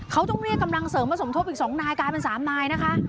เขาต้องเรียกกำลังเสริมมาสมทบอีก๒นายกลายเป็น๓นายนะคะ